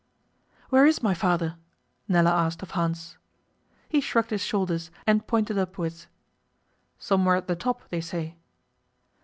'Where is my father?' Nella asked of Hans. He shrugged his shoulders, and pointed upwards. 'Somewhere at the top, they say.